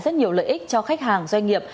rất nhiều lợi ích cho khách hàng doanh nghiệp